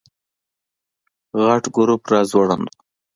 غټ ګروپ راځوړند و.